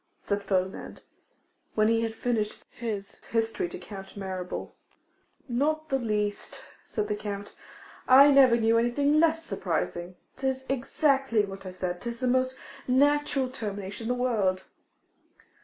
said Ferdinand, when he had finished his history to Count Mirabel. 'Not the least,' said the Count, 'I never knew anything less surprising. 'Tis exactly what I said, 'tis the most natural termination in the world.